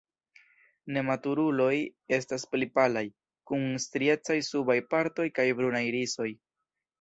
Nematuruloj estas pli palaj, kun striecaj subaj partoj kaj brunaj irisoj.